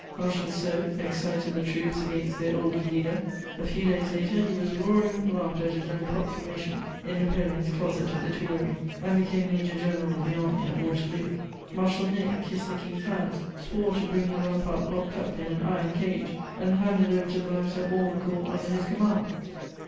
Marshal Soult excited the troops against their old leader; a few days later he was roaring with laughter at his own proclamation in Napoleon's closet at the Tuileries, and became Major general of the army at Waterloo; Marshal Ney kissed the King's hands, swore to bring him Bonaparte locked up in an iron cage, and handed over to the latter all the corps under his command.